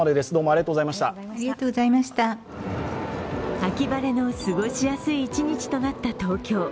秋晴れの過ごしやすい一日となった東京。